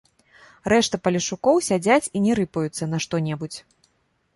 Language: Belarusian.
Рэшта палешукоў сядзяць і не рыпаюцца на што-небудзь.